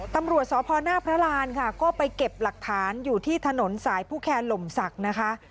ตำรวจสพหน้าพระรานค่ะก็ไปเก็บหลักฐานอยู่ที่ถนนสายผู้แคนหล่มศักดิ์นะคะ